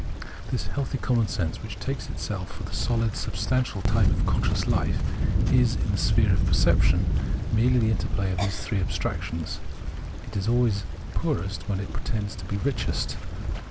This "healthy common sense," which takes itself for the sohd substantial type of conscious life, is, in the sphere of perception, merely the interplay of these abstractions ; it is always poorest where it pretends to be richest.